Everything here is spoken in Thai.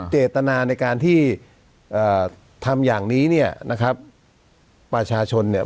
เจตนาในการที่เอ่อทำอย่างนี้เนี่ยนะครับประชาชนเนี่ย